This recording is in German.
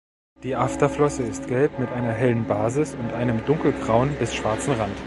Die Afterflosse ist gelb mit einer hellen Basis und einem dunkelgrauen bis schwarzen Rand.